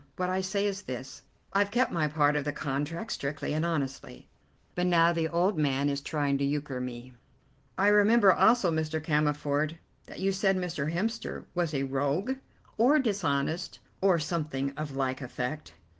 What I say is this: I've kept my part of the contract strictly and honestly, but now the old man is trying to euchre me." "I remember also, Mr. Cammerford, that you said Mr. Hemster was a rogue or dishonest, or something of like effect."